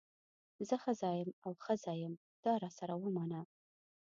زه ښځه یم او ښځه یم دا راسره ومنه.